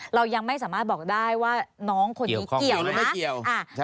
เรายังไม่สามารถบอกได้ว่าน้องคนนี้เกี่ยวนะ